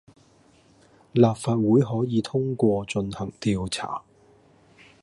立法會可以通過進行調查